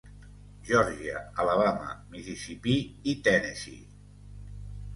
Geòrgia, Alabama, Mississipí i Tennessee.